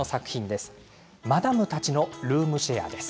「マダムたちのルームシェア」です。